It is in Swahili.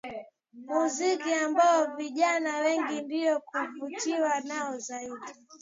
Muziki ambao vijana wengi ndio huvutiwa nao zaidi